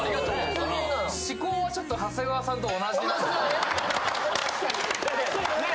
思考はちょっと長谷川さんと同じ同じだね・